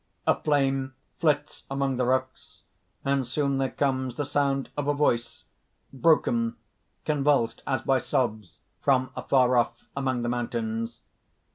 (_A flame flits among the rocks; and soon there comes the sound of a voice broken, convulsed as by sobs from afar off, among the mountains.